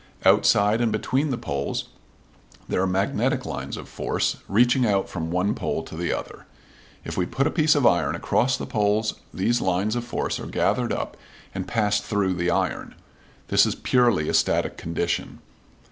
Outside and between the poles there are magnetic lines of force reaching out from one pole to the other. If we put a piece of iron across the poles these lines of force are gathered up and pass through the iron. This is purely a static condition.